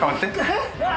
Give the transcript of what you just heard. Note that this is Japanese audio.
えっ？